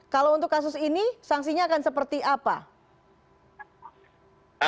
kalau untuk kasus ini sanksinya akan seperti apa